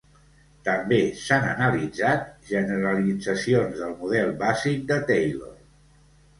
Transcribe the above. També s'han analitzat generalitzacions del model bàsic de Taylor.